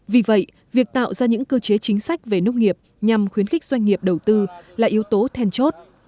vì vậy việc tạo ra những cơ chế chính sách về nông nghiệp nhằm khuyến khích doanh nghiệp đầu tư là yếu tố then chốt